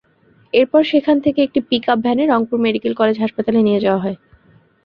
এরপর সেখান থেকে একটি পিকআপ ভ্যানে রংপুর মেডিকেল কলেজ হাসপাতালে নেওয়া হয়।